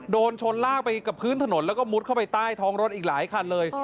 โดนชนลากไปกับพื้นถนนแล้วก็มุดเข้าไปใต้ท้องรถอีกหลายคันเลย